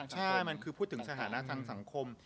ใช่มันคือพูดถึงสถานะทางสังคม